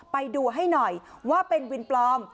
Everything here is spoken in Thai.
ไปดูให้หน่อยว่าเป็นวินปลอม